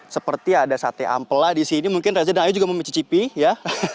seperti ada sate ampela di sini mungkin reza dan ayu juga mencicipi ya